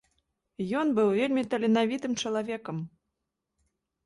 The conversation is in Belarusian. Ён быў вельмі таленавітым чалавекам.